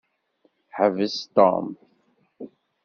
Ḥbes Tom.